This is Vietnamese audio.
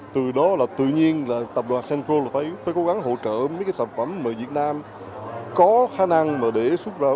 từ đó tự nhiên tập đoàn center group phải cố gắng hỗ trợ mấy sản phẩm việt nam có khả năng để xuất khẩu ra nước ngoài